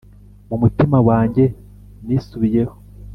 Mu mutima wanjye nisubiyeho,